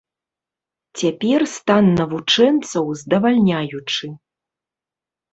Цяпер стан навучэнцаў здавальняючы.